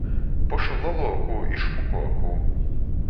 Pošu leluokū i šmukuokū.